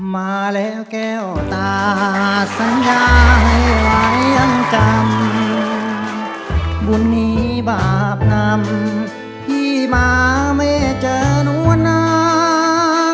มาแล้วแก้วตาสัญญาให้ไว้ยังจำบุญนี้บาปนำพี่มาแม่เจอหนูนะ